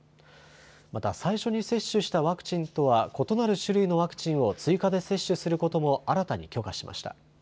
また最初に接種したワクチンとは異なる種類のワクチンを追加で接種することも新たに許可しました。